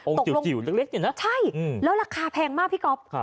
องค์จิ๋วจิ๋วเล็กเล็กอยู่น่ะใช่อืมแล้วราคาแพงมากพี่ก๊อบครับ